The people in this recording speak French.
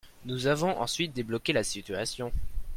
Nous avons ensuite débloqué la situation.